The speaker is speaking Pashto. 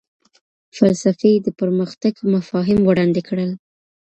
فلسفې د پرمختګ مفاهیم وړاندې کړل.